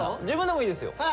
自分でもいいですよ。